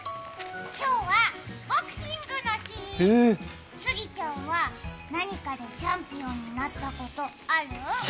今日はボクシングの日、杉ちゃんは何かのチャンピオンになったことある？